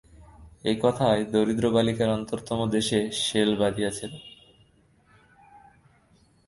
এই কথায় দরিদ্র বালিকার অন্তরতম দেশে শেল বিঁধিয়াছিল।